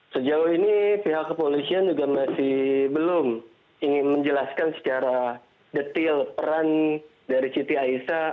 sejauh ini pihak kepolisian juga masih belum ingin menjelaskan secara detail peran dari siti aisyah